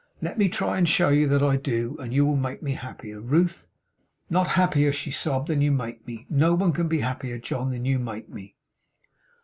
Let me try and show you that I do; and you will make me happier, Ruth ' 'Not happier,' she sobbed, 'than you make me. No one can be happier, John, than you make me!